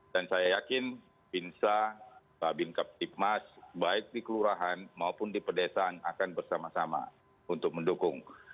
dan saya yakin binsa babin keptik mas baik di kelurahan maupun di pedesaan akan bersama sama untuk mendukung